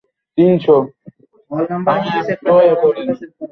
ও কথাটা খারাপ বলেনি।